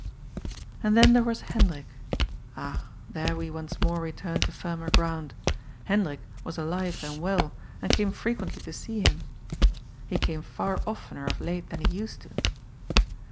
And then there was Hendrik. Ah, there we once more returned to firmer ground. Hendrik was alive and well, and came frequently to see him. He came far oftener of late than he used to.